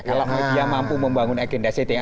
kalau media mampu membangun agenda setting